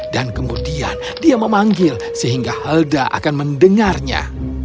dan kemudian dia memanggil sehingga helda akan mendengarnya